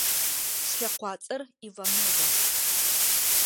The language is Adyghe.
Слъэкъуацӏэр Иванова.